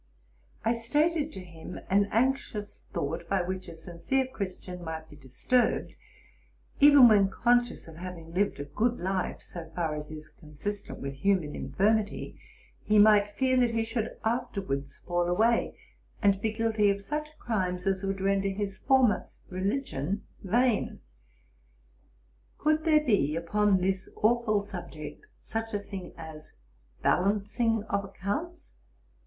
I stated to him an anxious thought, by which a sincere Christian might be disturbed, even when conscious of having lived a good life, so far as is consistent with human infirmity; he might fear that he should afterwards fall away, and be guilty of such crimes as would render all his former religion vain. Could there be, upon this aweful subject, such a thing as balancing of accounts?